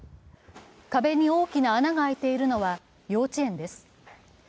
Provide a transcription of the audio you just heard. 壁に大きな穴が開いているのは幼稚園です。